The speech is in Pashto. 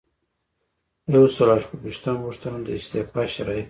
یو سل او شپږ ویشتمه پوښتنه د استعفا شرایط دي.